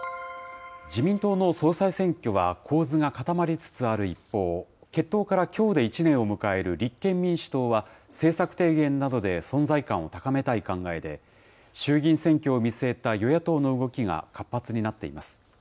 自民党の総裁選挙は、構図が固まりつつある一方、結党からきょうで１年を迎える立憲民主党は、政策提言などで存在感を高めたい考えで、衆議院選挙を見据えた与野党の動きが活発になっています。